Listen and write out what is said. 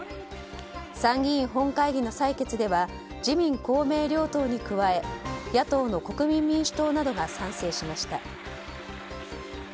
参議院本会議の採決では自民・公明両党に加え野党の国民民主党などが賛成しました。